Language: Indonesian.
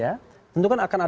masih sudah menghantar ini